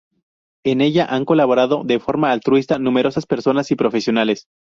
En ella han colaborado de forma altruista numerosas personas y profesionales.